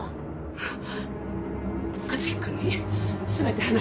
あっ！